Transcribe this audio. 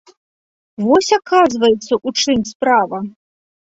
Вось, аказваецца, у чым справа!